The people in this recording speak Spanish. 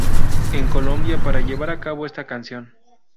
En Colombia para llevar a cabo esta canción.